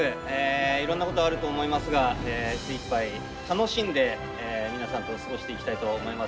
いろんなことあると思いますが精いっぱい楽しんで皆さんと過ごしていきたいと思います。